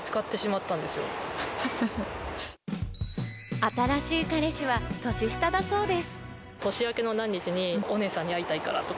新しい彼氏は年下だそうです。